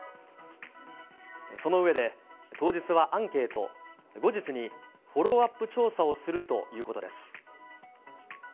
その上で、当日はアンケート、後日にフォローアップ調査をするということです。